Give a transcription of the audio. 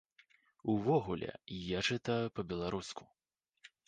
Увогуле, я чытаю па-беларуску.